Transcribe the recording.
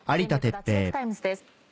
脱力タイムズ』です。